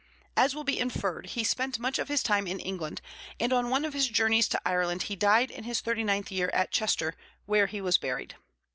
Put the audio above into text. As will be inferred, he spent much of his time in England, and on one of his journeys to Ireland he died in his thirty ninth year at Chester, where he was buried.